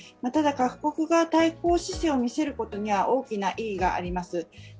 ただ、各国が対抗姿勢を見せることには大きな意義があります。